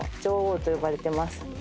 と呼ばれてます。